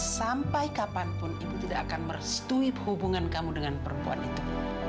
sampai kapanpun ibu tidak akan merestui hubungan kamu dengan perempuan itu